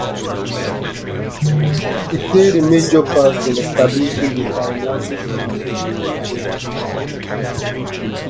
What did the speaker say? He played a major part in establishing the Icelandic community in Manitoba.